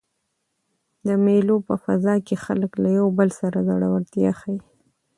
د مېلو په فضا کښي خلک له یو بل سره زړورتیا ښيي.